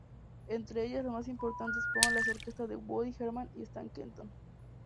Entre ellas, las más importantes fueron las orquestas de Woody Herman y Stan Kenton.